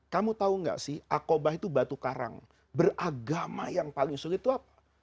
kamu tahu nggak sih akobah itu batu karang beragama yang paling sulit itu apa